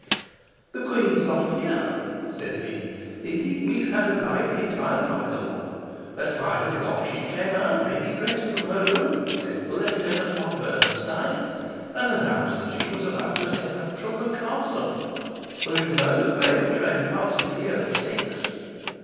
"The queen's not here," said he. "Indeed we've had a lively time, my lord. At five o'clock she came out, ready dressed, from her room, sent for Lieutenant von Bernenstein, and announced that she was about to set out from the castle. As you know, the mail train passes here at six."